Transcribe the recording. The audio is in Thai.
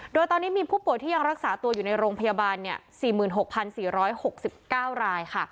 โดยตอนนี้มีผู้ป่วยที่ยังรักษาตัวอยู่ในโรงพยาบาล๔๖๔๖๙รายค่ะ